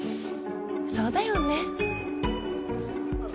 そうだよね。